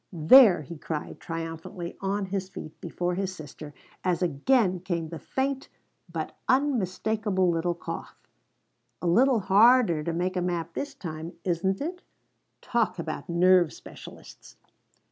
"There!" he cried, triumphantly on his feet before his sister, as again came the faint but unmistakable little cough. "A little harder to make a map this time, isn't it? Talk about nerve specialists